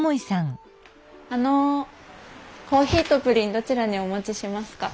あのコーヒーとプリンどちらにお持ちしますか？